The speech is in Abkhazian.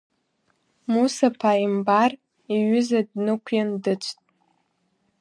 Муса ԥаимбар иҩыза днықәиан дыцәт.